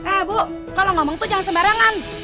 eh bu kalo ngomong tuh jangan sembarangan